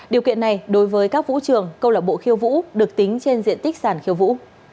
điều kiện này đối với các vũ trường câu lạc bộ khiêu vũ được tính trên diện tích sản khiêu vũ